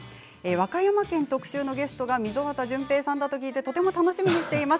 和歌山県特集のゲストが溝端淳平さんだと聞いてとても楽しみにしています。